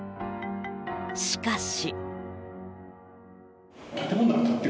しかし。